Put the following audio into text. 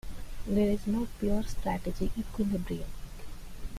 There is no pure-strategy equilibrium.